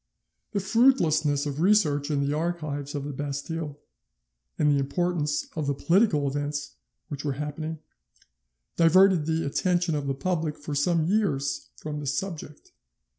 The fruitlessness of research in the archives of the Bastille, and the importance of the political events which were happening, diverted the attention of the public for some years from this subject.